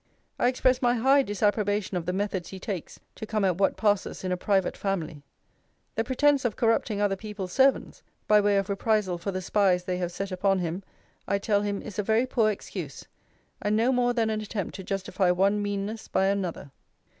'I express my high disapprobation of the methods he takes to come at what passes in a private family. The pretence of corrupting other people's servants, by way of reprisal for the spies they have set upon him, I tell him, is a very poor excuse; and no more than an attempt to justify one meanness by another.